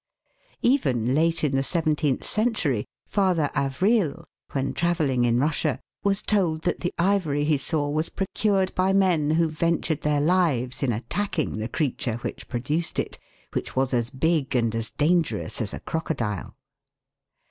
Even late in the seventeenth century, Father Avril, when travelling in Russia, was told that the ivory he saw was procured by men who ventured their lives in attacking the creature which produced it, which was as big and as dan gerous as a crocodile.